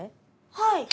はい。